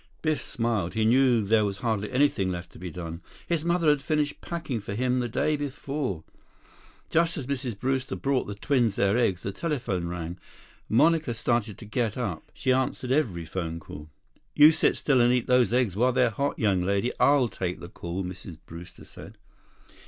Biff smiled. He knew there was hardly anything left to be done. His mother had finished packing for him the day before. 7 Just as Mrs. Brewster brought the twins their eggs, the telephone rang. Monica started to get up. She answered every phone call. "You sit still and eat those eggs while they're hot, young lady. I'll take the call," Mrs. Brewster said.